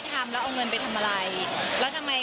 แล้วเราก็บอกว่าไม่เคยทำ